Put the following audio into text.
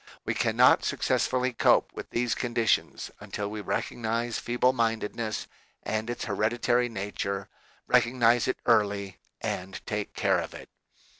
We cannot successfully cope with these conditions until we recognize feeble mindedness and its hereditary nature, recognize it early, and take care of it.